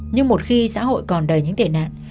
nhưng một khi xã hội còn đầy những tệ nạn